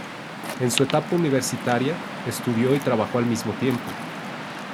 En su etapa universitaria, estudió y trabajó al mismo tiempo.